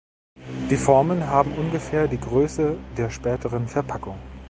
Die Formen haben ungefähr die Größe der späteren Verpackung.